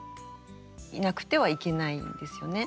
いなくてはいけないんですよね。